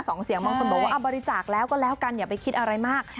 เสียงบางคนบอกว่าบริจาคแล้วก็แล้วกันอย่าไปคิดอะไรมาก